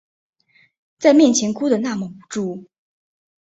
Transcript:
在面前哭的那么无助